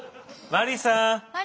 マリーさん！